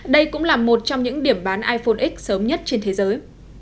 đây cũng là một trong những điểm bán iphone x sớm nhất trên thế giới